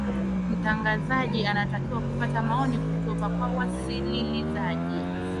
mtangazaji anatakiwa kupata maoni kutoka kwa wasililizaji